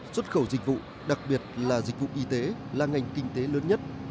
xuất khẩu dịch vụ đặc biệt là dịch vụ y tế là ngành kinh tế lớn nhất